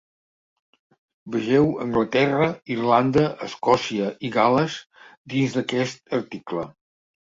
Vegeu Anglaterra, Irlanda, Escòcia i Gales dins d'aquest article.